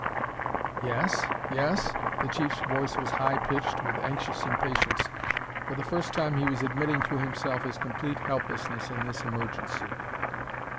"Yes yes?" The Chief's voice was high pitched with anxious impatience; for the first time he was admitting to himself his complete helplessness in this emergency.